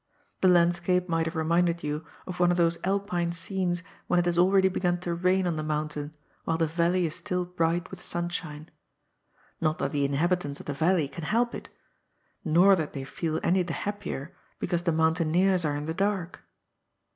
The landscape might have reminded you of one of those Alpine scenes when it has already begun to rain on the mountain, while the valley is still bright with sunshine. Not that the inhabitants of the valley can help it. Nor that they feel any the happier because the mountaineers are in the dark.